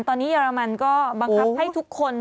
ตอนนี้เยอรมันก็บังคับให้ทุกคน